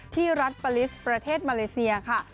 ที่รัฐปาลิสประเทศมาเลเซียค่ะ